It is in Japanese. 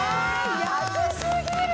安過ぎる。